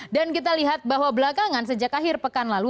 dan kita lihat bahwa belakangan sejak akhir pekan lalu